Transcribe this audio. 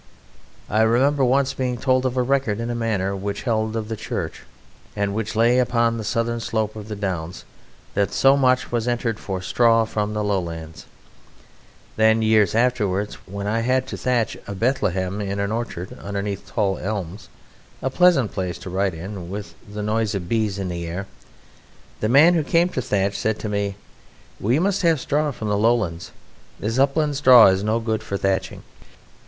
I remember once being told of a record in a manor, which held of the Church and which lay upon the southern slope of the Downs, that so much was entered for "straw from the Lowlands": then, years afterwards, when I had to thatch a Bethlehem in an orchard underneath tall elms a pleasant place to write in, with the noise of bees in the air the man who came to thatch said to me: "We must have straw from the Lowlands; this upland straw is no good for thatching."